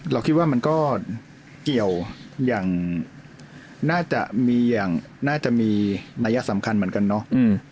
เราคิดว่ามันก็เกี่ยวอย่างน่าจะมีอย่างน่าจะมีนัยสำคัญเหมือนกันเนาะ